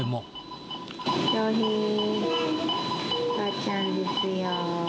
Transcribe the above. おかあちゃんですよ。